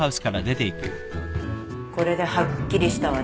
これではっきりしたわね。